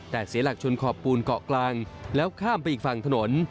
แต่เสียหลักชนขอบปูนเกาะกลางแล้วข้ามไปอีกฝั่งถนน